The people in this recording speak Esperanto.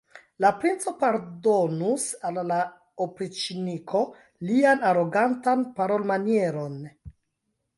La princo pardonus al la opriĉniko lian arogantan parolmanieron.